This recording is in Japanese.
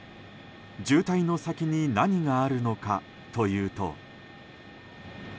渋滞の先に何があるのかというと。